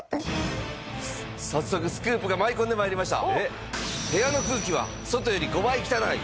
早速スクープが舞い込んで参りました。